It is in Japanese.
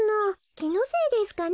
きのせいですかね？